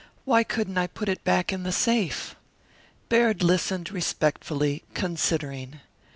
Why couldn't I put it back in the safe?" Baird listened respectfully, considering.